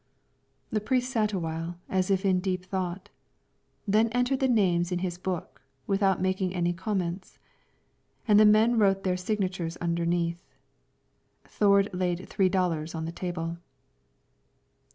The priest sat awhile as if in deep thought, then entered the names in his book, without making any comments, and the men wrote their signatures underneath. Thord laid three dollars on the table.